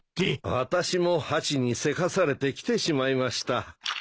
私もハチにせかされて来てしまいました。